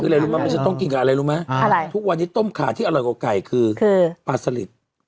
อะไรรู้มั้ยต้มกินกับอะไรรู้มั้ยทุกวันนี้ต้มคาที่อร่อยกว่าก่อไก่คือปลาสลิด